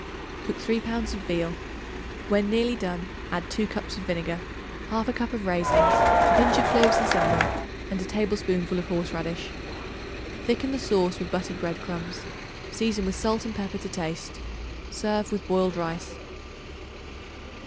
Cook 3 pounds of veal; when nearly done, add 2 cup of vinegar, 1/2 cup of raisins, a pinch of cloves and cinnamon and a tablespoonful of horseradish. Thicken the sauce with buttered bread crumbs; season with salt and pepper to taste. Serve with boiled rice.